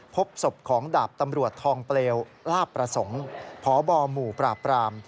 พบศพของดาบตำรวจทองเปลวลาบประสงค์พบหมู่ปราบปราม